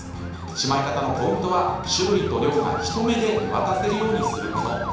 しまい方のポイントは種類と量が一目で見渡せるようにすること。